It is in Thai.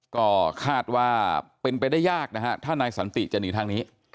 ก็คาดว่าเป็นไปได้ยากนะฮะถ้านายสันติจะหนีทางนี้